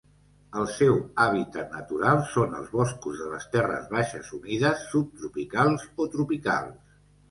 El seu hàbitat natural són els boscos de les terres baixes humides, subtropicals o tropicals.